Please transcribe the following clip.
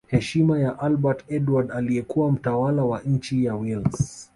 Heshima ya Albert Edward aliyekuwa mtawala wa nchi ya Wales